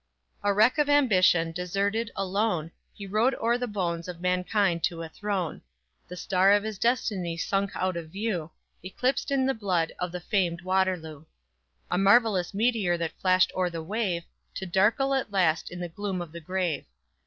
_A wreck of ambition, deserted, alone, He rode o'er the bones of mankind to a throne; The star of his destiny sunk out of view, Eclipsed in the blood of the famed Waterloo. A marvelous meteor that flashed o'er the wave, To darkle at last in the gloom of the grave.